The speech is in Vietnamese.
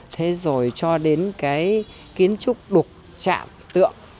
thế rồi cho đến cái kiến trúc đục chạm tượng